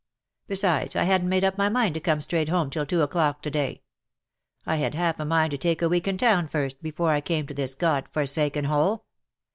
Besides I hadn't made up my mind to come straight home till two o'clock to day. I had half a mind to take a week in town first, before I came to this God forsaken hole.